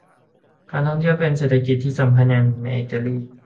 การท่องเที่ยวเป็นเศรษกิจทีสำคัญอย่างหนึ่งในอิตาลี